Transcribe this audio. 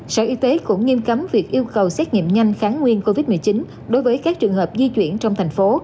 sở y tế cũng nghiêm cấm việc yêu cầu xét nghiệm nhanh kháng nguyên covid một mươi chín đối với các trường hợp di chuyển trong thành phố